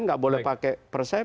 nggak boleh pakai persepsi